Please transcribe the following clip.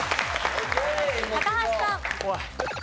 高橋さん。